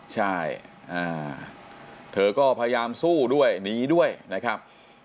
ใช่เธอก็พยายามสู้ด้วยหนีด้วยนะครับ